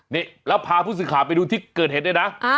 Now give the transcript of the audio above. แล้วพาผู้ศึกขาไปดูที่เกิดเหตุด้วยนะ